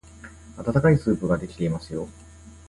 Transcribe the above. あたたかいスープができていますよ。